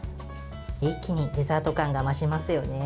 一気にデザート感が増しますよね。